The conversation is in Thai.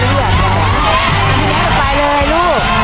ครอบครัวของแม่ปุ้ยจังหวัดสะแก้วนะครับ